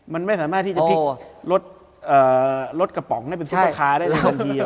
มันไม่สามารถที่จะพลิกรถกระป๋องได้เป็นซุปราคาได้เลย